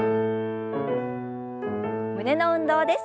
胸の運動です。